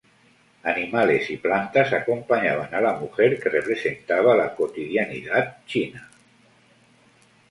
Animales y plantas acompañaban a la mujer que representaba la cotidianidad china.